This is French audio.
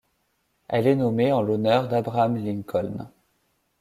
Elle est nommée en l'honneur d'Abraham Lincoln.